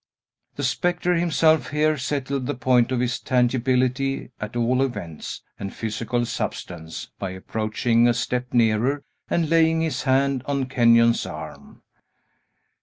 The spectre himself here settled the point of his tangibility, at all events, and physical substance, by approaching a step nearer, and laying his hand on Kenyon's arm.